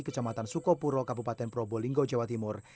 kecamatan sukopuro kabupaten probolinggo jawa timur